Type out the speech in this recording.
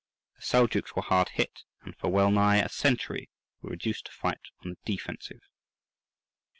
The Seljouks were hard hit, and for well nigh a century were reduced to fight on the defensive.